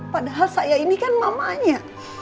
padahal saya ini kan mamanya